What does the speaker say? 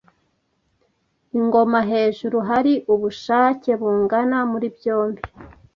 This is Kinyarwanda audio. Ingoma hejuru hari ubushake bungana muri byombi